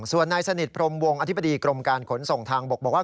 ส่วนนายสนิทพรมวงอธิบดีกรมการขนส่งทางบกบอกว่า